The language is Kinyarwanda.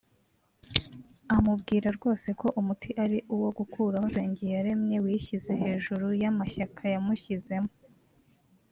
amubwira rwose ko umuti ari uwo gukuraho Nsengiyaremye wishyize hejuru y’amashyaka yamushyizemo